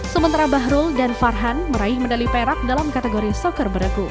sementara bahrul dan farhan meraih medali perak dalam kategori soker beregu